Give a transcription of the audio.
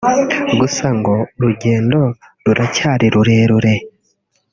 gusa ngo urugendo ruracyari rurerure